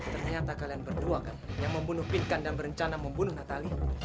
ternyata kalian berdua kan yang membunuh pizkan dan berencana membunuh natali